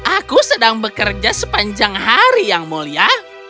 aku sedang bekerja sepanjang hari yang mulia